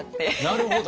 なるほど。